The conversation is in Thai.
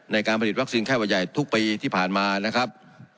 ในการผลิตวัคซีนไข้หวัดใหญ่ทุกปีที่ผ่านมานะครับ